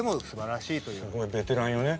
すごいベテランよね。